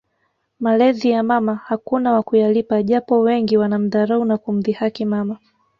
Malezi ya mama hakuna wa kuyalipa japo wengi wanamdharau na kumdhihaki mama